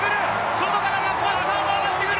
外からマクマスターも上がってくる。